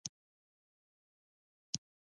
آزاد تجارت مهم دی ځکه چې چاپیریال ساتنه کې مرسته کوي.